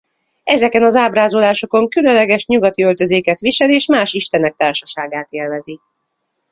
Ezeken az ábrázolásokon különleges nyugati öltözéket visel és más istenek társaságát élvezi.